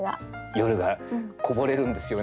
夜がこぼれるんですよね。